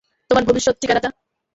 তোমার ভবিষ্যৎ ঠিকানাটা?